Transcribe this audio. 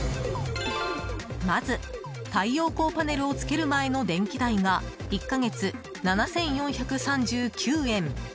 まず、太陽光パネルをつける前の電気代が、１か月７４３９円。